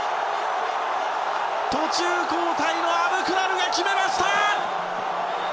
途中交代のアブクラルが決めました！